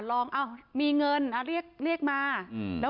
ลองอ้าวมีเงินเรียกมา